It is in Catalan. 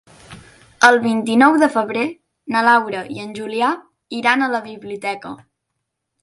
El vint-i-nou de febrer na Laura i en Julià iran a la biblioteca.